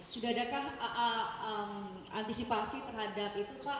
sudah adakah antisipasi terhadap itu pak